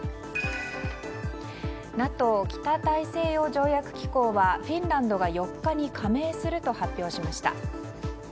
ＮＡＴＯ・北大西洋条約機構はフィンランドが４日に加盟すると発表しました。